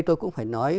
tôi cũng phải nói